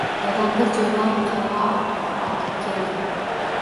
Dadam bir joydan qarg‘a otib keldi.